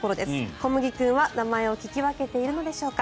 こむぎ君は名前を聞き分けているのでしょうか。